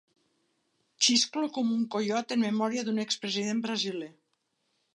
Xisclo com un coiot en memòria d'un ex president brasiler.